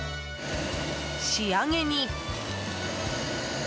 仕上げに。